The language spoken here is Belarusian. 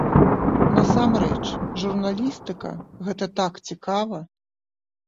Насамрэч, журналістыка, гэта так цікава!